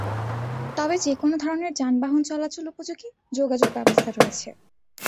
তবে যেকোন ধরনের যানবাহন চলাচল উপযোগী যোগাযোগ ব্যবস্থা রয়েছে।